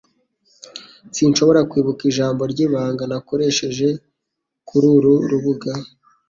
Sinshobora kwibuka ijambo ryibanga nakoresheje kururu rubuga